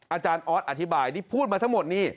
อาจารย์ออสอธิบายนี่พูดมาทั้งหมดนี่